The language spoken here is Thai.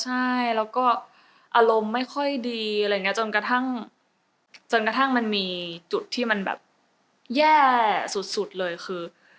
ใช่แล้วก็อารมณ์ไม่ค่อยดีอะไรอย่างนี้จนกระทั่งจนกระทั่งมันมีจุดที่มันแบบแย่สุดเลยคือ